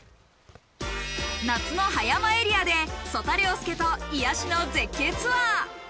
夏の葉山エリアで曽田陵介と癒やしの絶景ツアー。